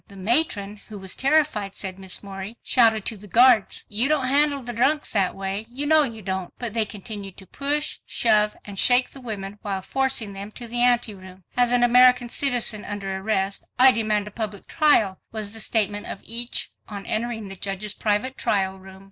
"The Matron, who was terrified," said Miss Morey, "shouted to the guards, 'You don't handle the drunks that way. You know you don't.' But they continued to push, shove and shake the women while forcing them to the ante room." "As an American citizen under arrest, I demand a public trial," was the statement of each on entering the judge's private trial room.